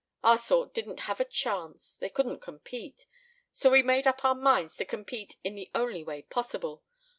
Our sort didn't have a chance. They couldn't compete. So, we made up our minds to compete in the only way possible.